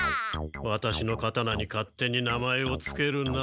ワタシの刀に勝手に名前をつけるな。